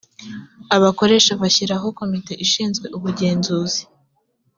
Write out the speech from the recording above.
abakoresha bashyiraho komite ishinzwe ubugenzuzi